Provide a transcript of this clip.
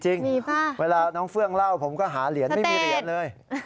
เวลาน้องเฟื่องเล่าผมก็หาเหรียญไม่มีเหรียญเลย